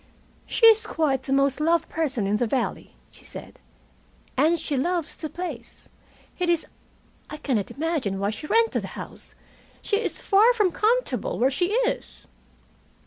"She is quite the most loved person in the valley," she said. "And she loves the place. It is I cannot imagine why she rented the house. She is far from comfortable where she is."